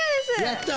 やった！